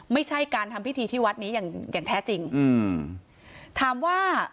ไม่ใช่การทำพิธีที่วัดนี้อย่างอย่างแท้จริงอืมถามว่า